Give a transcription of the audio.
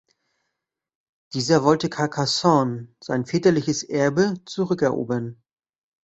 Dieser wollte Carcassonne, sein väterliches Erbe, zurückerobern.